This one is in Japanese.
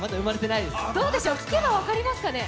どうでしょう、聴けば分かりますかね。